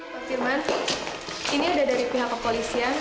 pak firman ini udah dari pihak kepolisian